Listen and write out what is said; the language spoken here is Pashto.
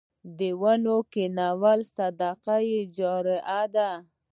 د ونو کینول صدقه جاریه ده